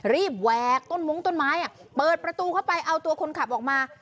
แหวกต้นมุ้งต้นไม้เปิดประตูเข้าไปเอาตัวคนขับออกมา